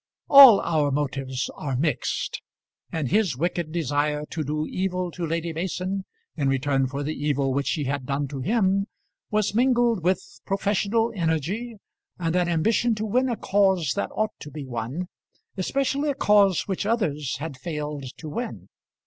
All our motives are mixed; and his wicked desire to do evil to Lady Mason in return for the evil which she had done to him was mingled with professional energy, and an ambition to win a cause that ought to be won especially a cause which others had failed to win.